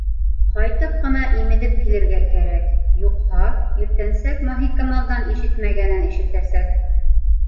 Ҡайтып ҡына имеҙеп килергә кәрәк, юҡһа иртәнсәк Маһикамалдан ишетмәгәнен ишетәсәк.